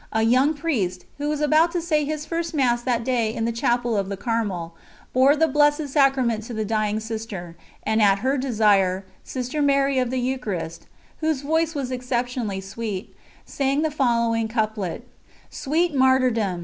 A young Priest, who was about to say his first Mass that day in the Chapel of the Carmel, bore the Blessed Sacrament to the dying Sister; and at her desire, Sister Mary of the Eucharist whose voice was exceptionally sweet sang the following couplet: Sweet martyrdom!